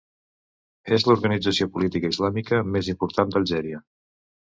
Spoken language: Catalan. És l'organització política islàmica més important d'Algèria.